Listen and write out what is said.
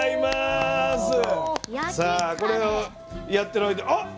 さあこれをやってる間あ！